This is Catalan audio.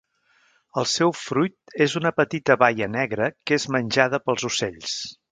El seu fruit és una petita baia negra que és menjada pels ocells.